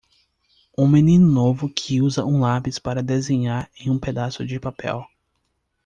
Um menino novo que usa um lápis para desenhar em um pedaço de papel.